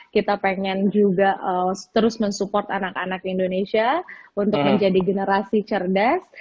kita pengen juga terus mensupport anak anak indonesia untuk menjadi generasi cerdas